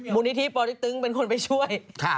มูลนิธิปอติ๊กตึงเป็นคนไปช่วย